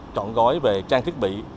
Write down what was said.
chọn gói về trang thiết bị